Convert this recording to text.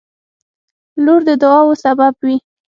• لور د دعاوو سبب وي.